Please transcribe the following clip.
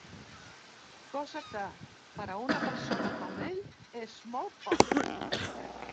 Cosa que, per a una persona com ell, és molt poc.